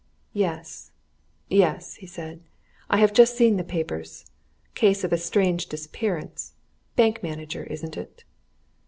"Yes yes!" he said. "I have just seen the papers. Case of a strange disappearance bank manager isn't it?"